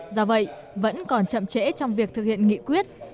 do vậy vẫn còn chậm trễ trong việc thực hiện nghị quyết